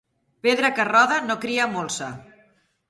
Pedra que roda no cria molsa